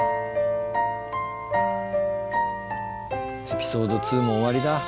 エピソード２も終わりだ。